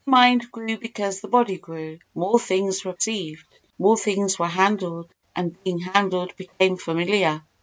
The mind grew because the body grew—more things were perceived—more things were handled, and being handled became familiar.